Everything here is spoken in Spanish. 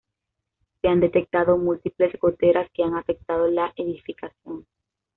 Se han detectado múltiples goteras que han afectado la edificación.